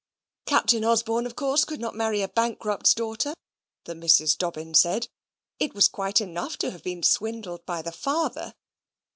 "Captain Osborne, of course, could not marry a bankrupt's daughter," the Misses Dobbin said. "It was quite enough to have been swindled by the father.